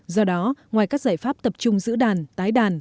do đó ngoài các giải pháp tập trung giữ đàn tái đàn